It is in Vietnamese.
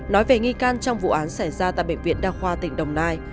nói về nghi can trong vụ án xảy ra tại bệnh viện đa khoa tỉnh đồng nai